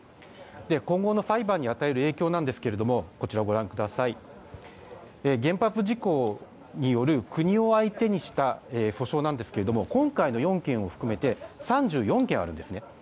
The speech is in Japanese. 今後の裁判に与える影響なんですが原発事故による国を相手にした訴訟なんですが今回の４件を含めて３４件あるんですね。